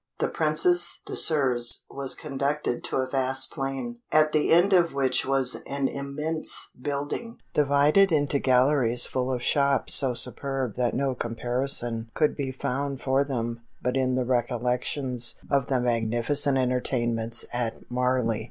The Princess Désirs was conducted to a vast plain, at the end of which was an immense building, divided into galleries full of shops so superb that no comparison could be found for them but in the recollections of the magnificent entertainments at Marly.